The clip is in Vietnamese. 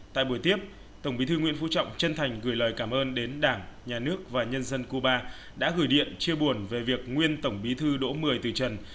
tại buổi tiếp tổng bí thư nguyễn phú trọng chân thành gửi lời cảm ơn đến đảng nhà nước và nhân dân cuba đã gửi điện chia buồn về việc nguyên tổng bí thư đỗ mười từ trần